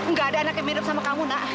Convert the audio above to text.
nggak ada anak yang mirip sama kamu nak